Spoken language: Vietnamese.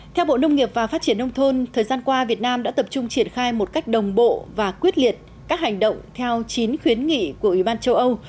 theo bộ nông nghiệp và phát triển nông thôn thời gian qua việt nam đã tập trung triển khai một cách đồng bộ và quyết liệt các hành động theo chín khuyến nghị của ủy ban châu âu